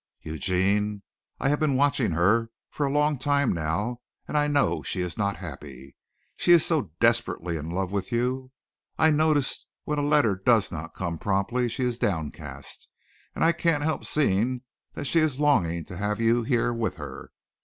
Eugene, I have been watching her for a long time now and I know she is not happy. She is so desperately in love with you. I notice when a letter does not come promptly she is downcast and I can't help seeing that she is longing to have you here with her.